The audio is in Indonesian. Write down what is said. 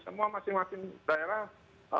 semua masing masing daerah